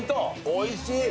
おいしい。